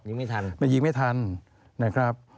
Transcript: ไม่ทันมันยิงไม่ทันนะครับ